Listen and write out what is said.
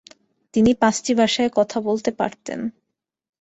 তিনি পাঁচটি ভাষায় কথা বলতে পারতেন।